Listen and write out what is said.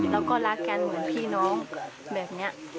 แล้วก็รักกันเหมือนพี่น้องแบบนี้